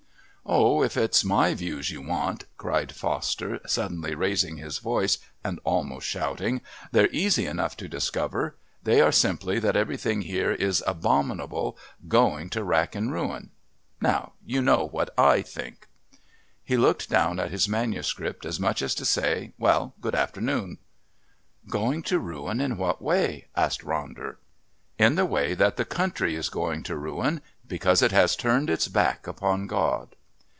"Oh, if it's my views you want," cried Foster, suddenly raising his voice and almost shouting, "they're easy enough to discover. They are simply that everything here is abominable, going to wrack and ruin...Now you know what I think." He looked down at his manuscript as much as to say, "Well, good afternoon." "Going to ruin in what way?" asked Ronder. "In the way that the country is going to ruin because it has turned its back upon God."